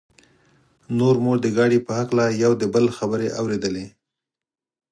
نور مو د ګاډي په هکله یو د بل خبرې اورېدلې.